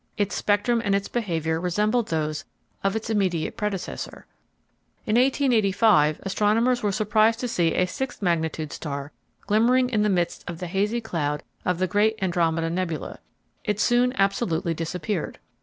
Its spectrum and its behavior resembled those of its immediate predecessor. In 1885, astronomers were surprised to see a sixth magnitude star glimmering in the midst of the hazy cloud of the great Andromeda Nebula. It soon absolutely disappeared.